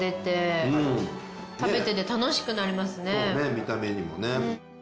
見た目にもね。